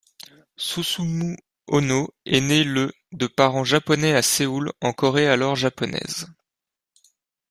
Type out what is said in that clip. Susumu Ohno est né le de parents japonais à Séoul en Corée alors japonaise.